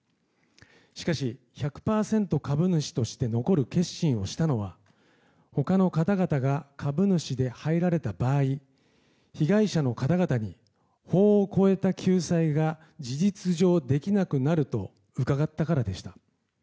しかし、１００％株主として残る決心をしたのは他の方々が株主で入られた場合被害者の方々に法を超えた救済が事実上できなくなると伺ったからでした。